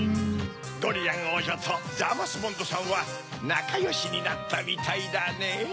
ドリアンおうじょとザーマス・ボンドさんはなかよしになったみたいだねぇ。